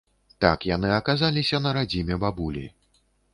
Так яны аказаліся на радзіме бабулі.